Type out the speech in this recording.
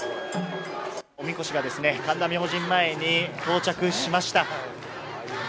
おみこしが神田明神前に到着しました。